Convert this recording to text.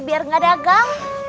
biar gak dagang